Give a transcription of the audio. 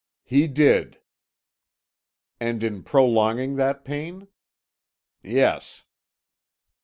"He did." "And in prolonging that pain?" "Yes."